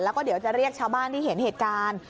แล้วก็เดี๋ยวจะเรียกชาวบ้านที่เห็นเหตุการณ์